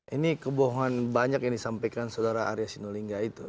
ini kebohongan banyak yang disampaikan saudara arya sinulinga itu